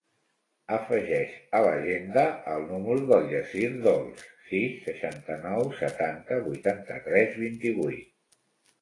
Afegeix a l'agenda el número del Yassir Dols: sis, seixanta-nou, setanta, vuitanta-tres, vint-i-vuit.